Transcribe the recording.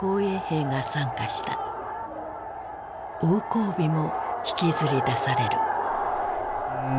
王光美も引きずり出される。